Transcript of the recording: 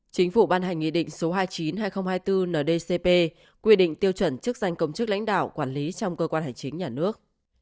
chính phủ ban hành nghị định số hai mươi chín hai nghìn hai mươi bốn ndcp quy định tiêu chuẩn chức danh công chức lãnh đạo quản lý trong cơ quan hành chính nhà nước